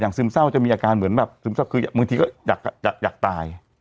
ซึมเศร้าจะมีอาการเหมือนแบบซึมเศร้าคือบางทีก็อยากตาย